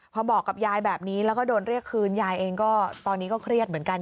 พอบอกกับยายแบบนี้แล้วก็โดนเรียกคืนยายเองก็ตอนนี้ก็เครียดเหมือนกัน